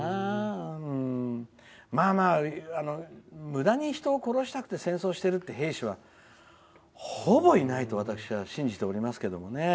むだに人を殺したくて戦争してるっていう兵士はほぼいないと私は信じておりますけどね。